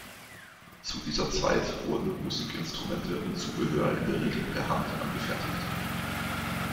Zu dieser Zeit wurden Musikinstrumente und Zubehör in der Regel per Hand angefertigt.